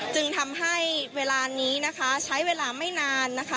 จึงทำให้เวลานี้นะคะใช้เวลาไม่นานนะคะ